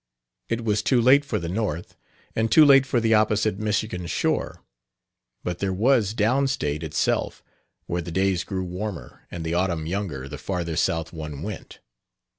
It was too late for the north and too late for the opposite Michigan shore; but there was "down state" itself, where the days grew warmer and the autumn younger the farther south one went.